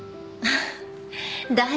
大丈夫！